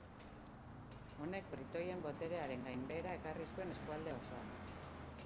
Honek britoien boterearen gainbehera ekarri zuen eskualde osoan.